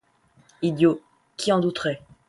Idiot qui en douterait !